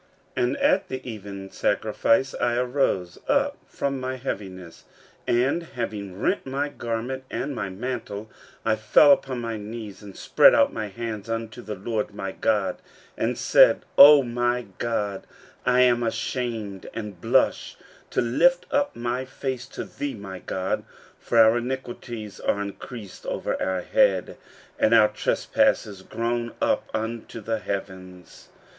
15:009:005 And at the evening sacrifice I arose up from my heaviness; and having rent my garment and my mantle, I fell upon my knees, and spread out my hands unto the LORD my God, 15:009:006 And said, O my God, I am ashamed and blush to lift up my face to thee, my God: for our iniquities are increased over our head, and our trespass is grown up unto the heavens.